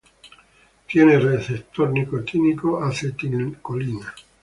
Tienen receptor nicotínico acetilcolina.